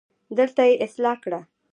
دلته يې اصلاح کړه